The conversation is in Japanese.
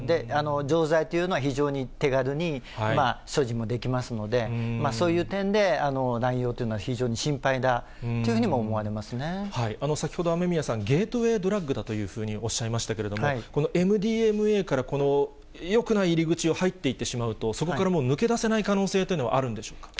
錠剤というのは非常に手軽に所持もできますので、そういう点で、乱用というのは非常に心配だというふうにも思われ先ほど、雨宮さん、ゲートウェイドラッグだというふうにおっしゃいましたけれども、このＭＤＭＡからこの、よくない入り口を入っていってしまうと、そこからもう抜け出せない可能性というのはあるんでしょうか？